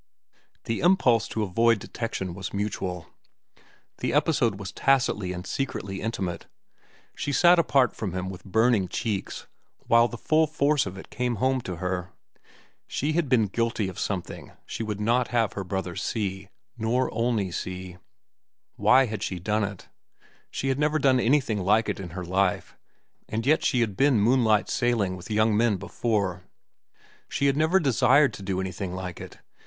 The impulse to avoid detection was mutual. The episode was tacitly and secretly intimate. She sat apart from him with burning cheeks, while the full force of it came home to her. She had been guilty of something she would not have her brothers see, nor Olney see. Why had she done it? She had never done anything like it in her life, and yet she had been moonlight sailing with young men before. She had never desired to do anything like it.